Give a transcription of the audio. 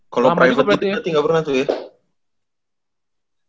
kalau private gitu ya tidak pernah tuh ya